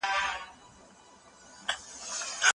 هغه ډېر چاڼ چي دلته دی، د لوړ ږغ سره راوړل کیږي.